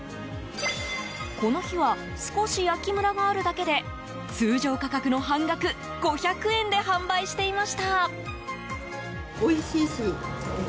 この日は少し焼きムラがあるだけで通常価格の半額５００円で販売していました。